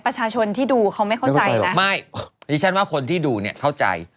ประชาชนที่ดูเขาไม่เข้าใจหรอกไม่ดิฉันว่าคนที่ดูเนี่ยเข้าใจ